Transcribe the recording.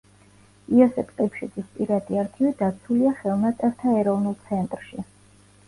იოსებ ყიფშიძის პირადი არქივი დაცულია ხელნაწერთა ეროვნულ ცენტრში.